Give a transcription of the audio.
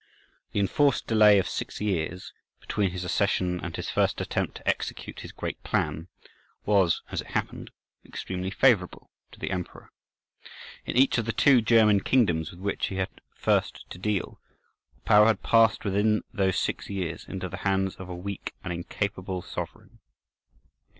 The enforced delay of six years between his accession and his first attempt to execute his great plan, was, as it happened, extremely favourable to the Emperor. In each of the two German kingdoms with which he had first to deal, the power had passed within those six years into the hands of a weak and incapable sovereign.